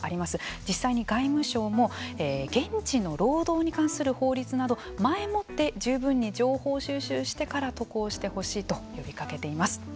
実際に外務省も現地の労働に関する法律など前もって十分に情報収集してから渡航してほしいと呼びかけています。